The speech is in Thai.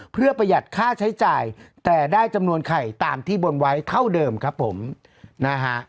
เพื่อประหยัดค่าใช้จ่ายแต่ได้จำนวนไข่ตามที่บนไว้เท่าเดิมครับผมนะฮะ